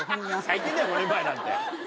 最近だよ５年前なんて。